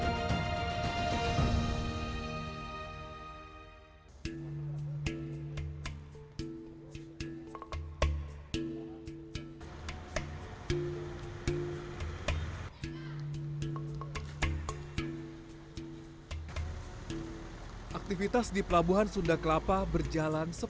sekali sajazyka lingkungan selanjutnya